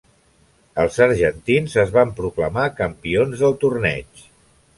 Els argentins es van proclamar campions del torneig.